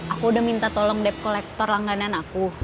aku udah minta tolong debt collector langganan aku